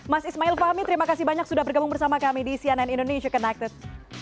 mas ismail fahmi terima kasih banyak sudah bergabung bersama kami di cnn indonesia connected